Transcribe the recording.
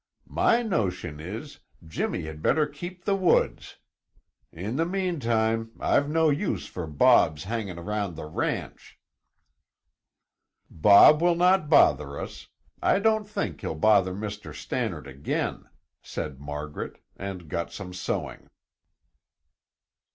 "My notion is, Jimmy had better keep the woods. In the meantime, I've no use for Bob's hanging round the ranch." "Bob will not bother us; I don't think he'll bother Mr. Stannard again," said Margaret and got some sewing.